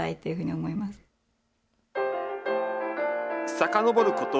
さかのぼること